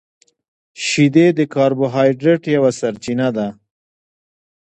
• شیدې د کاربوهایډریټ یوه سرچینه ده.